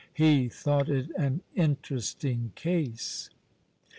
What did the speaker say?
He thought it an interesting case.